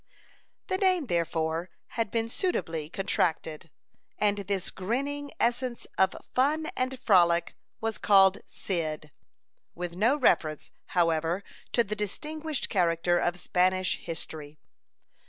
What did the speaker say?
The name, therefore, had been suitably contracted, and this grinning essence of fun and frolic was called "Cyd" with no reference, however, to the distinguished character of Spanish history.